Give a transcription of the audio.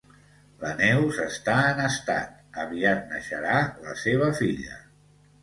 La Neus està en estat, aviat neixerà la seva filla